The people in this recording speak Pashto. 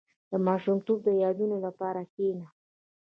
• د ماشومتوب د یادونو لپاره کښېنه.